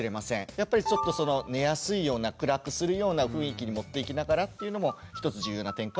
やっぱりちょっとその寝やすいような暗くするような雰囲気にもっていきながらっていうのも一つ重要な点かもしれません。